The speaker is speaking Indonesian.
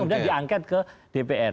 udah dianggap ke dpr